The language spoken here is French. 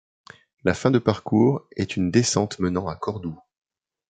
La fin de parcours est une descente menant à Cordoue.